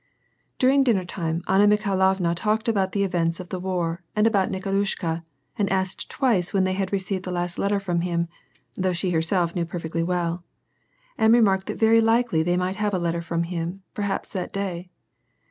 During dinner time, Anna Mikhailovna talked alxmt the events of the war and about Nikolu^ika, and asked twic* when they had received the last letter from him (though she herself knew perfectly well), and remarked that very likely they might have a letter from him, perhaps that day.